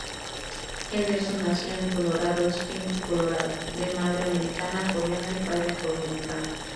Henderson nació en Colorado Springs, Colorado, de madre americana-coreana y padre afroamericano.